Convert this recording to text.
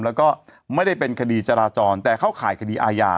แล้วก็ไม่ได้เป็นคดีจราจรแต่เข้าข่ายคดีอาญา